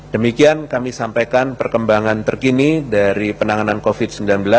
demikian kami sampaikan perkembangan terkini dari penanganan covid sembilan belas